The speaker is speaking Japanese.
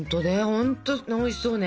ほんとにおいしそうね。